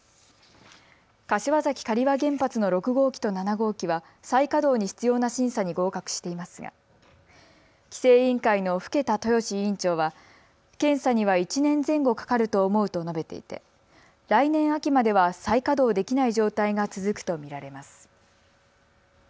柏崎刈羽原発の６号機と７号機は再稼働に必要な審査に合格していますが規制委員会の更田豊志委員長は検査には１年前後かかると思うと述べていて来年秋までは再稼働できない状態が続くと見られます。